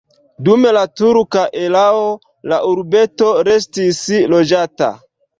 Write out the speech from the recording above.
Dum la turka erao la urbeto restis loĝata.